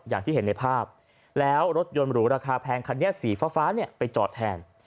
อย่างที่เห็นในภาพแล้วรถยนต์หรูราคาแพงคันนี้สีฟ้าเนี่ยไปจอดแทน